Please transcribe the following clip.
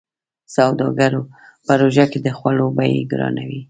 سوداګرو په روژه کې د خوړو بيې ګرانوي.